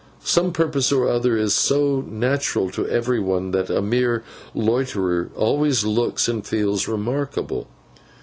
Some purpose or other is so natural to every one, that a mere loiterer always looks and feels remarkable.